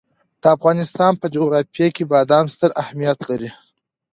د افغانستان په جغرافیه کې بادام ستر اهمیت لري.